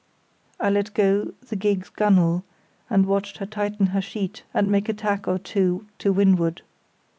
I let go the gig's gunwale and watched her tighten her sheet and make a tack or two to windward.